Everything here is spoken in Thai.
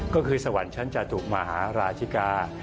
ก็คือสวรรค์ชั้นจตุมหาราชิกา